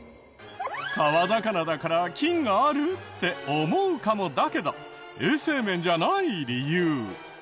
川魚だから菌があるって思うかもだけど衛生面じゃない理由。